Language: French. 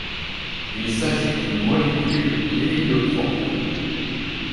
Il s'agit d'une molécule pléiotrope.